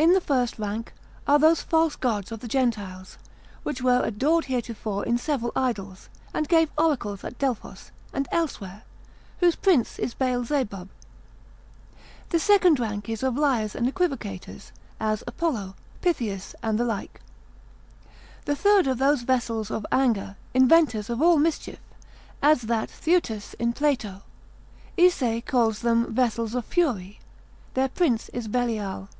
In the first rank are those false gods of the gentiles, which were adored heretofore in several idols, and gave oracles at Delphos, and elsewhere; whose prince is Beelzebub. The second rank is of liars and equivocators, as Apollo, Pythius, and the like. The third are those vessels of anger, inventors of all mischief; as that Theutus in Plato; Esay calls them vessels of fury; their prince is Belial.